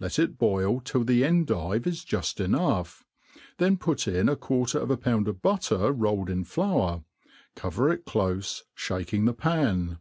Jet it boil till the endive is juft enough, then put in a quarter of a pound of butter rolled in flour, cover it clofe, (bak ing the pan.